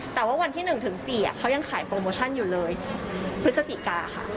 แต่ว่าวันที่๑ถึง๔เขายังขายโปรโมชั่นอยู่เลยพฤศจิกาค่ะ